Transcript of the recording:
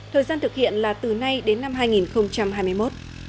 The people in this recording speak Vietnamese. thời gian thực hiện là từ nay đến năm hai nghìn hai mươi một